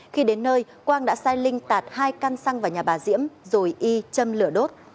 khi đến nơi quang đã sai linh tạt hai căn xăng vào nhà bà diễm rồi y châm lửa đốt